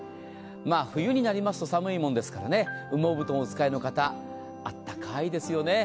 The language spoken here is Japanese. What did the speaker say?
冬になりますと寒いもんですから羽毛布団をお使いの方あったかいですよね。